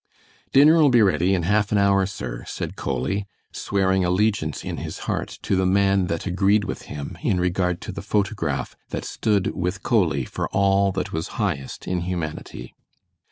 "Dinner'll be ready in half an hour, sir," said Coley, swearing allegiance in his heart to the man that agreed with him in regard to the photograph that stood with Coley for all that was highest in humanity.